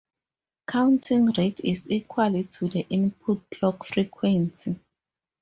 Counting rate is equal to the input clock frequency.